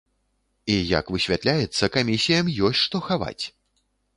І як высвятляецца, камісіям ёсць што хаваць!